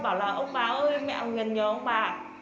bảo là ông bà ơi mẹ ngần nhớ ông bà